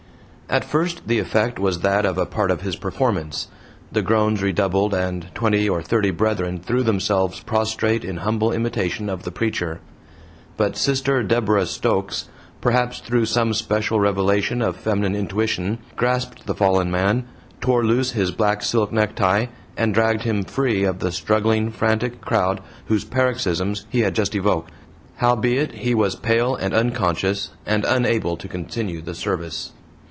At first the effect was that of a part of his performance; the groans redoubled, and twenty or thirty brethren threw themselves prostrate in humble imitation of the preacher. But Sister Deborah Stokes, perhaps through some special revelation of feminine intuition, grasped the fallen man, tore loose his black silk necktie, and dragged him free of the struggling, frantic crowd whose paroxysms he had just evoked. Howbeit he was pale and unconscious, and unable to continue the service.